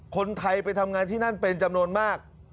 คนไทยไปทำงานที่นั่นเป็นจำนวนมาก